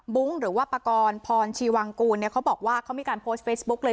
หรือว่าปากรพรชีวังกูลเนี่ยเขาบอกว่าเขามีการโพสต์เฟซบุ๊กเลย